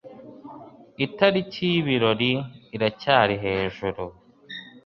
Itariki y'ibirori iracyari hejuru.